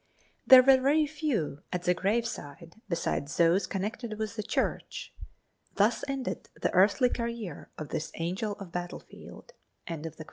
There were very few at the graveside besides those connected with the church. Thus ended the earthly career of this "Angel of the Battlefield." CHAPTER VIII.